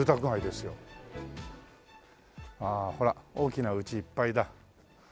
ああほら大きな家いっぱいだ。